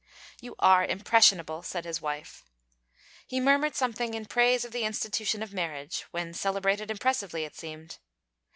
'You are impressionable,' said his wife. He murmured something in praise of the institution of marriage when celebrated impressively, it seemed.